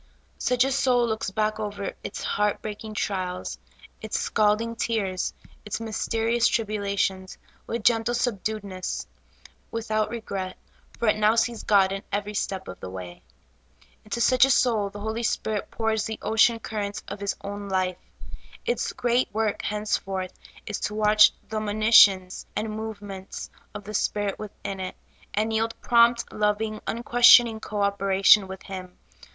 Such a soul looks back over its heart breaking trials, its scalding tears, its mysterious tribulations, with gentle subdued ness, without regret, for it now sees God in every step of the way. Into such a soul the Holy Spirit pours the ocean currents of His own life ; its great work 14 SOUIv FOOD. henceforth is to watch the monitions and. movements of the Spirit within it, and 3deld prompt, loving, un questioning co operation with Him.